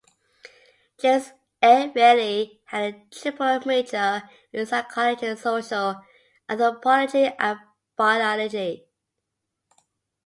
James E. Reilly had a triple major: in psychology, social anthropology and biology.